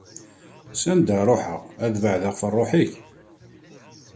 S anda ara ruḥeɣ, ad beɛdeɣ ɣef Ṛṛuḥ-ik?